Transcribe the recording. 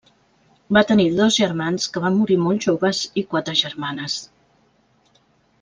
Va tenir dos germans que van morir molt joves i quatre germanes.